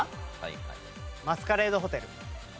『マスカレード・ホテル』。